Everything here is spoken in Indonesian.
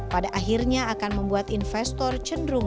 pada akhirnya akan membuat investor cenderung